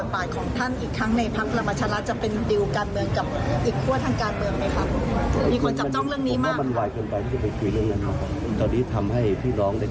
สนับสนุนไม่ได้เหตุผลแต่ก็ต้องฟัง